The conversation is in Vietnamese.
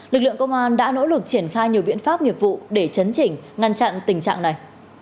lực lượng công an đã nỗ lực triển khai nhiều biện pháp nghiệp vụ để chấn chỉnh ngăn chặn tình trạng này